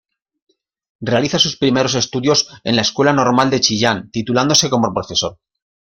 Realiza sus primeros estudios en la Escuela Normal de Chillán, titulándose como profesor.